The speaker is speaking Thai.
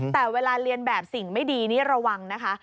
แต่เวลาเรียนแบบสิ่งไม่ดีนี่ระวังนะคะ